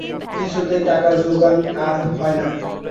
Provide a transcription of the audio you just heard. কিছুতেই টাকার জোগাড় আর হয় না।